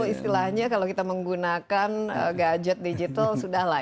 istilahnya kalau kita menggunakan gadget digital sudah lah